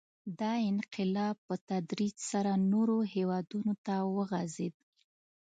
• دا انقلاب په تدریج سره نورو هېوادونو ته وغځېد.